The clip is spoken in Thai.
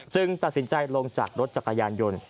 ตัดสินใจลงจากรถจักรยานยนต์